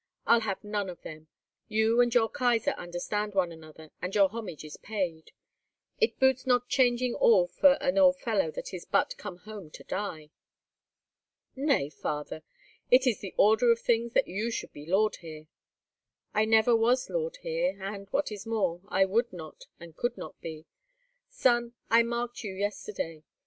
I'll have none of them. You and your Kaisar understand one another, and your homage is paid. It boots not changing all for an old fellow that is but come home to die." "Nay, father, it is in the order of things that you should be lord here." "I never was lord here, and, what is more, I would not, and could not be. Son, I marked you yesterday.